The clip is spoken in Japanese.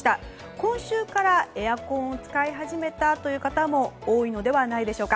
今週からエアコンを使い始めたという方も多いのではないでしょうか。